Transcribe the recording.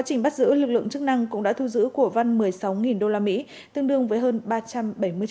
trình bắt giữ lực lượng chức năng cũng đã thu giữ của văn một mươi sáu usd tương đương với hơn ba trăm bảy mươi triệu